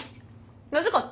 なぜかって？